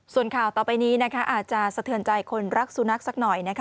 ส่วนข่าวต่อไปนี้นะคะอาจจะสะเทือนใจคนรักสุนัขสักหน่อยนะคะ